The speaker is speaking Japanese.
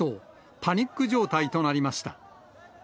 パニック状態となりました。